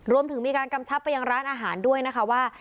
รวมถึงมีการกำชับไปยังร้านอาหารด้วยนะคะว่า